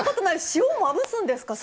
塩をまぶすんですか？